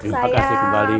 terima kasih kembali